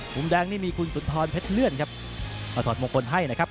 ทุ่มแดงนี่มีคุณสุนธรเพชรเลื่อน